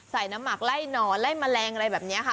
ใส่น้ำหมักไล่หนอนไล่แมลงอะไรแบบนี้ค่ะ